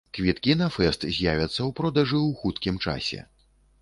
Квіткі на фэст з'явяцца ў продажы ў хуткім часе.